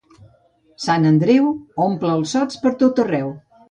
Sant Andreu omple els sots pertot arreu.